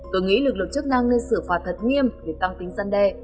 tôi nghĩ lực lượng chức năng nên xử phạt thật nghiêm để tăng tính vấn đề